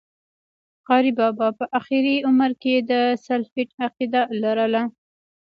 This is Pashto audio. قاري بابا په آخري عمر کي د سلفيت عقيده لرله